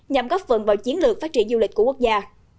nhằm góp phần vào chiến lược phát triển du lịch của quốc gia